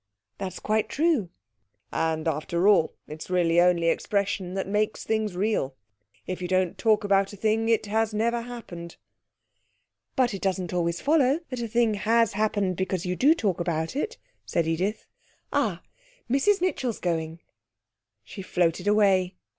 'That's quite true.' 'And, after all, it's really only expression that makes things real. 'If you don't talk about a thing, it has never happened.'' 'But it doesn't always follow that a thing has happened because you do talk about it,' said Edith. 'Ah, Mrs Mitchell's going !' She floated away.